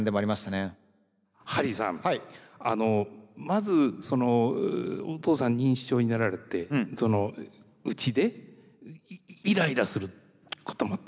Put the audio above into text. まずお父さん認知症になられてうちでイライラすることもあった。